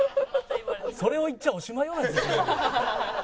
それを言っちゃおしまい。